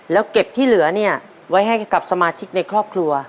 แล้วเก็บที่เหลือเนี่ยไว้ให้กับสมาชิกในครอบครัว